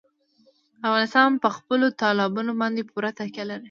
افغانستان په خپلو تالابونو باندې پوره تکیه لري.